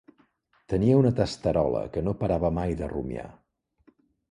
Tenia una testerola que no parava mai de rumiar.